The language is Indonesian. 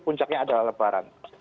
puncaknya adalah lebaran